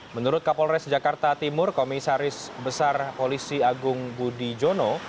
menurut kapolres jakarta timur komisaris besar polisi agung budi jono